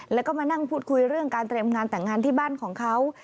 แล้วก็มานั่งพูดคุยเรื่องการเตรียมงานแต่งงานที่บ้านของเขา